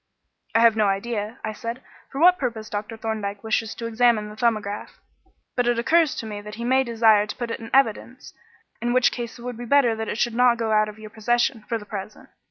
"I have no idea," I said, "for what purpose Dr. Thorndyke wishes to examine the 'Thumbograph,' but it occurs to me that he may desire to put it in evidence, in which case it would be better that it should not go out of your possession for the present.